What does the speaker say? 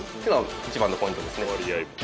１番のポイントですね。